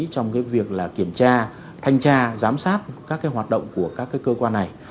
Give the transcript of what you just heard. trong cái việc là kiểm tra thanh tra giám sát các cái hoạt động của các cái cơ quan này